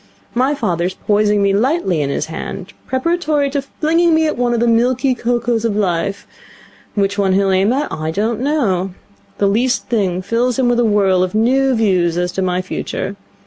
My father is poising me lightly in his hand, preparatory to flinging me at one of the milky cocos of Life. Which one he'll aim at I don't know. The least thing fills him with a whirl of new views as to my future.